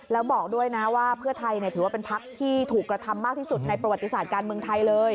แล้วบอกด้วยนะว่าเพื่อไทยถือว่าเป็นพักที่ถูกกระทำมากที่สุดในประวัติศาสตร์การเมืองไทยเลย